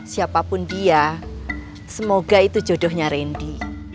siapapun dia semoga itu jodohnya randy